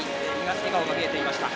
笑顔が見えていました。